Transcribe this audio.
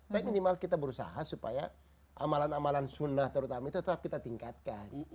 tapi minimal kita berusaha supaya amalan amalan sunnah terutama itu tetap kita tingkatkan